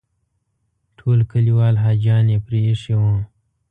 ټول کلیوال حاجیان یې پرې ایښي وو.